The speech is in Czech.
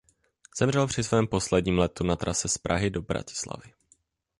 Zemřel při svém posledním letu na trase z Prahy do Bratislavy.